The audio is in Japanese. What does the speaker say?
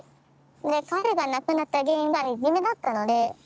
で彼が亡くなった原因がいじめだったので。